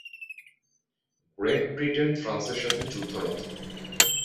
Great Britain ফ্রান্সের সাথে যুদ্ধরত।